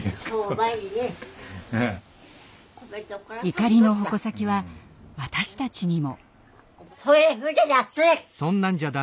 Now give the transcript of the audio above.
怒りの矛先は私たちにも。